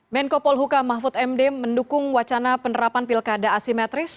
menko polhuka mahfud md mendukung wacana penerapan pilkada asimetris